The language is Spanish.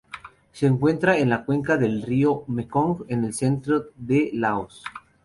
Se encuentra en la cuenca del río Mekong en el centro de Laos.